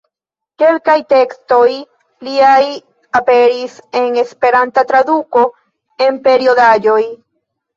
Kelkaj tekstoj liaj aperis en Esperanta traduko en periodaĵoj.